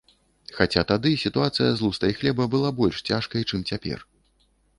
Хаця тады сітуацыя з лустай хлеба была больш цяжкай, чым цяпер.